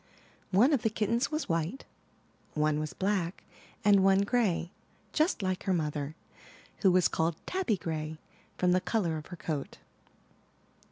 One of the kittens was white, one was black, and one gray, just like her mother, who was called Tabby Gray from the color of her coat.